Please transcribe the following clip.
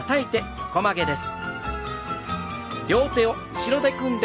横曲げです。